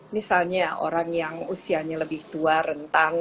misalnya orang yang usianya lebih tua rentang